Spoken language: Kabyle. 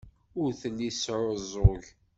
Ur telli tesɛuẓẓug.